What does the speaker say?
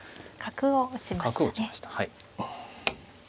角を打ちましたね。